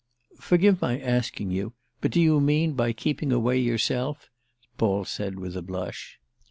"Forgive my asking you, but do you mean by keeping away yourself?" Paul said with a blush.